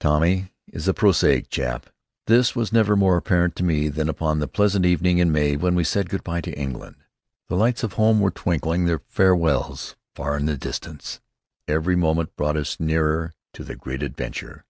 Tommy is a prosaic chap. This was never more apparent to me than upon that pleasant evening in May when we said good bye to England. The lights of home were twinkling their farewells far in the distance. Every moment brought us nearer to the great adventure.